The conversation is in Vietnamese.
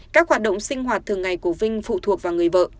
các hoạt động sinh hoạt thường ngày của vinh phụ thuộc vào người vợ